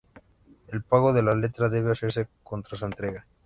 El pago de la letra debe hacerse contra su entrega.